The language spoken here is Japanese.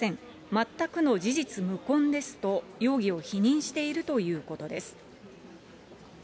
全くの事実無根ですと容疑を否認しているということです。